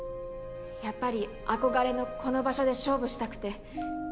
やっぱり憧れのこの場所で勝負したくて。